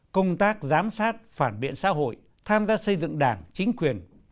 công tác giám sát phản biện xã hội tham gia xây dựng đảng chính quyền